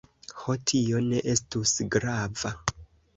Ho, tio ne estus grava!